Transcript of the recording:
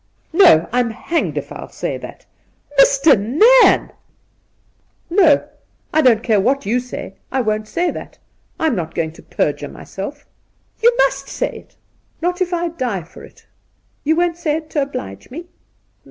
'' No, I'm hanged if I'll say that !'' Mister Nairn !' 122 Induna Nairn ' No ; I don't care what you say ! I won't say that ! I'm not going to perjure myself.' ' You must say it !' 'Not ifl die for it!' ' You won't say it to oblige me